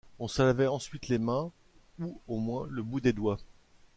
On se lavait ensuite les mains, ou au moins le bout des doigts.